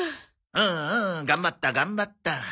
うんうん頑張った頑張った。